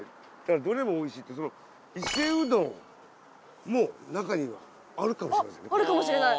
「どれもおいしい」ってその伊勢うどんも中にはあるかもしれません。